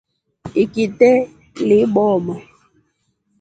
Ikite libooma.